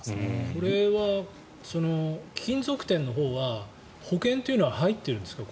これは、貴金属店のほうは保険というのは入っているんですか。